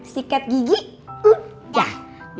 sikat gigi udah